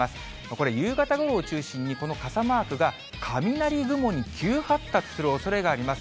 これ、夕方ごろを中心に、この傘マークが雷雲に急発達するおそれがあります。